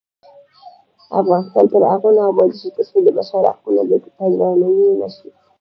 افغانستان تر هغو نه ابادیږي، ترڅو د بشر حقونو ته درناوی ونشي.